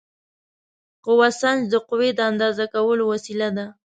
قوه سنج د قوې د اندازه کولو وسیله ده.